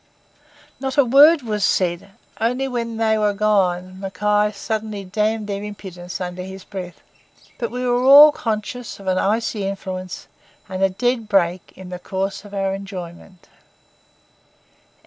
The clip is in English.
Not a word was said; only when they were gone Mackay sullenly damned their impudence under his breath; but we were all conscious of an icy influence and a dead break in the course of our enjoyment.